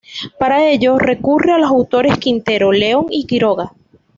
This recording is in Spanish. Para ello recurre a los autores Quintero, León y Quiroga.